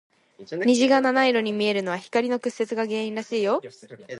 虹が七色に見えるのは、光の屈折が原因らしいよ。